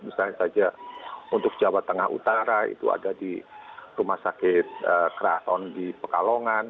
misalnya saja untuk jawa tengah utara itu ada di rumah sakit keraton di pekalongan